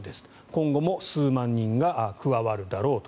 今後も数万人が加わるだろうと。